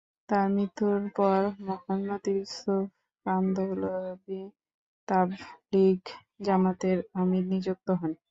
তার মৃত্যুর পর মুহাম্মদ ইউসুফ কান্ধলভি তাবলিগ জামাতের আমির নিযুক্ত হন।